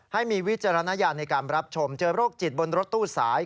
ให้มีวิจารณญาณในการรับชมเจอโรคจิตบนรถตู้สาย